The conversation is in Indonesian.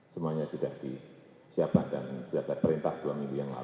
semuanya sudah disiapkan dan sudah saya perintah dua minggu yang lalu